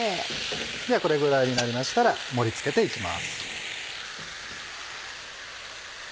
ではこれぐらいになりましたら盛り付けていきます。